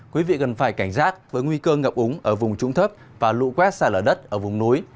quý vị cần phải cảnh giác với nguy cơ ngập úng ở vùng trũng thấp và lũ quét xa lở đất ở vùng núi